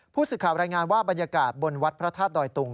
ผู้สื่อข่าวรายงานว่าบรรยากาศบนวัดพระธาตุดอยตุง